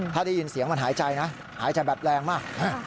ถ้าได้ยินเสียงมันหายใจนะหายใจแบบแรงมาก